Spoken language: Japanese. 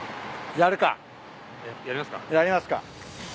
やりますか。